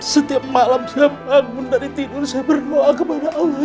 setiap malam setiap akun dari tidur saya berdoa kepada allah